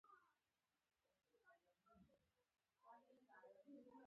د انسانیت د خیر لپاره.